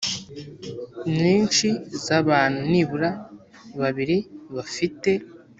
nyinshi z abantu nibura babiri bafite